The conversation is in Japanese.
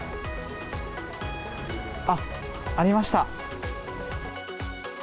あっ、ありました。